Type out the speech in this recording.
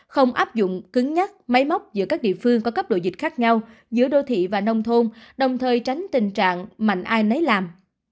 không áp dụng cứng nhắc máy móc giữa các địa phương có cấp độ dịch khác nhau giữa đô thị và nông thôn đồng thời tránh tình trạng mạnh ai nấy làm